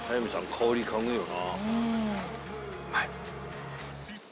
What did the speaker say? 香り嗅ぐよな。